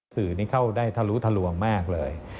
สื่อนี้เข้าได้ทะลุทะลวงมากเลย